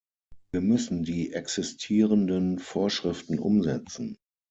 Wir müssen die existierenden Vorschriften umsetzen.